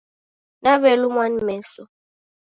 Nawelumwa ni meso